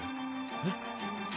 えっ？